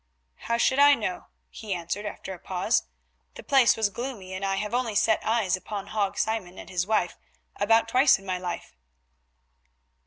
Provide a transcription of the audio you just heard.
"How should I know?" he answered, after a pause; "the place was gloomy, and I have only set eyes upon Hague Simon and his wife about twice in my life."